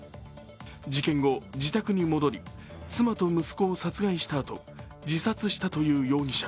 事件後、自宅に戻り、妻と息子を殺害したあと、自殺したという容疑者。